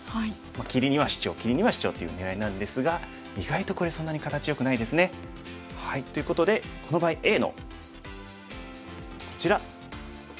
切りにはシチョウ切りにはシチョウっていう狙いなんですが意外とこれそんなに形よくないですね。ということでこの場合Ａのこちらかりんのツボですね